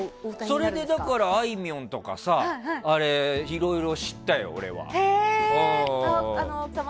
それで、あいみょんとかさいろいろ知ったよ、俺は。